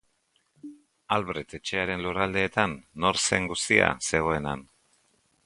Albret etxearen lurraldeetan nor zen guztia zegoen han.